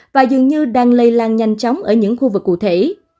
và dường như đang lây lan nhanh chóng ở những khu vực cụ thể